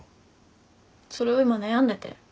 それを今悩んでて。